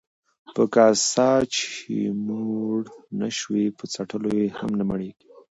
ـ په کاسه چې موړ نشوې، په څټلو يې هم نه مړېږې.